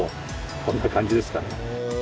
こんな感じですかね。